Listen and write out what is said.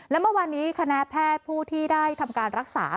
และเมื่อวานนี้คณะแพทย์ผู้ที่ได้ทำการรักษา